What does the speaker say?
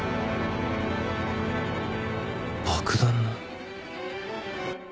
爆弾の。